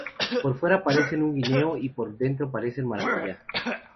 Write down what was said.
Por fuera parecen un guineo y por dentro parecen maracuyá.